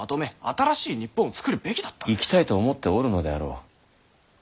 行きたいと思っておるのであろう？